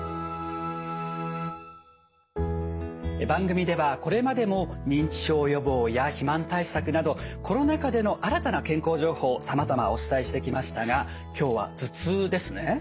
番組ではこれまでも認知症予防や肥満対策などコロナ禍での新たな健康情報さまざまお伝えしてきましたが今日は頭痛ですね。